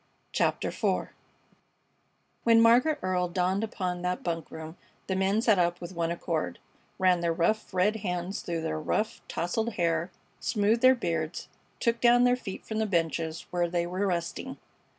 CHAPTER IV When Margaret Earle dawned upon that bunk room the men sat up with one accord, ran their rough, red hands through their rough, tousled hair, smoothed their beards, took down their feet from the benches where they were resting.